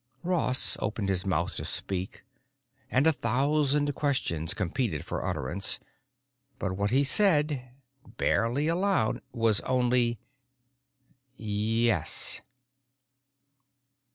Ross opened his mouth to speak, and a thousand questions competed for utterance. But what he said, barely aloud, was only: "Yes."